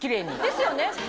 ですよね。